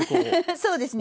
そうですね